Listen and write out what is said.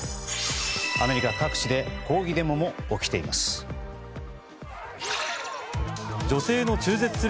アメリカ各地で抗議デモも起きています。